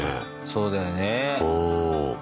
そうだよね。